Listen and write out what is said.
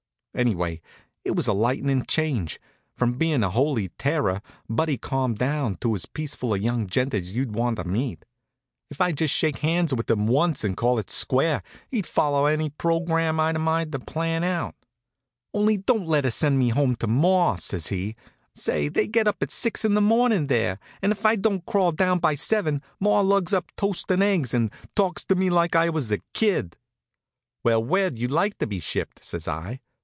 Anyway, it was a lightnin' change. From being a holy terror, Buddy calmed down to as peaceful a young gent as you'd want to meet. If I'd just shake hands with him once and call it square, he'd follow any program I'd a mind to plan out. "Only don't let her send me home to maw," says he. "Say, they get up at six in the morning there, and if I don't crawl down by seven maw lugs up toast and eggs, and talks to me like I was a kid." "Well, where'd you like to be shipped?" says I.